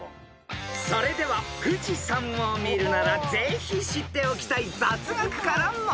［それでは富士山を見るならぜひ知っておきたい雑学から問題］